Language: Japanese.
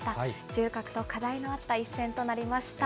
収穫と課題のあった一戦となりました。